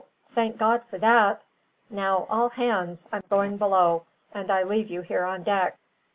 Thank God for that! Now, all hands! I'm going below, and I leave you here on deck.